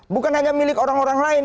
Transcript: bukan hanya milik orang orang lain